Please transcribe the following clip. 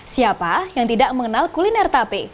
siapa yang tidak mengenal kuliner tape